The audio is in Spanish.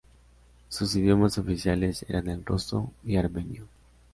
Sus idiomas oficiales eran el ruso y armenio.